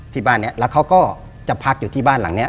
ที่บ้านนี้แล้วเขาก็จะพักอยู่ที่บ้านหลังนี้